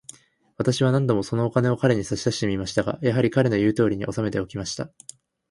私は何度も、そのお金を彼に差し出してみましたが、やはり、彼の言うとおりに、おさめておきました。